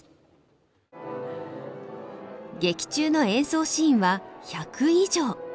劇中の演奏シーンは１００以上。